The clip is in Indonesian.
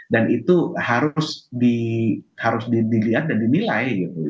dan itu harus dilihat dan dinilai